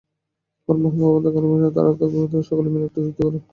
হরমোহন, ভবনাথ, কালীকৃষ্ণ বাবু, তারক-দা প্রভৃতি সকলে মিলে একটা যুক্তি কর।